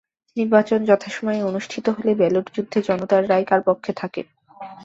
নির্বাচন যথাসময়ে অনুষ্ঠিত হলে ব্যালট যুদ্ধে জনতার রায় কার পক্ষে থাকে।